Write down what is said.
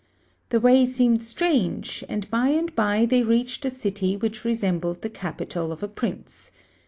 The way seemed strange, and by and by they reached a city which resembled the capital of a prince.